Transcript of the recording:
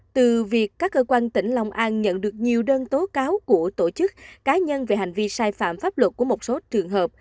từ việc các cơ quan tỉnh long an nhận được nhiều đơn tố cáo của tổ chức cá nhân về hành vi sai phạm pháp luật của một số trường hợp